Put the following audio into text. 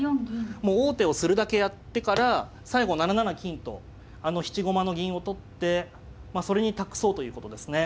もう王手をするだけやってから最後７七金とあの質駒の銀を取ってそれに託そうということですね。